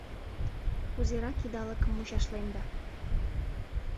Кузерак идалыкым мучашленда...